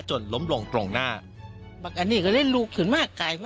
จนล้มลงตรงหน้า